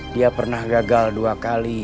dia pernah gagal dua kali